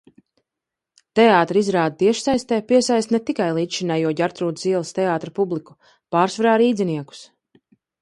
Teātra izrāde tiešsaistē piesaista ne tikai līdzšinējo Ģertrūdes ielas teātra publiku, pārsvarā rīdziniekus.